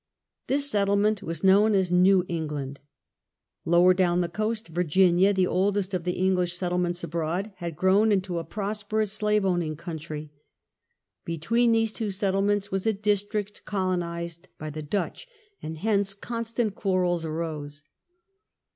This settlement was known as New England. Lower down the coast, Virginia, the oldest of the English settle ments abroad, had grown into a prosperous slave owning country. Between these two settlements was a district colonized by the Dutch, and hence constant quarrels arose.